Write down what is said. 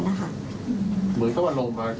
เหมือนถ้าว่าโรงพยาบาล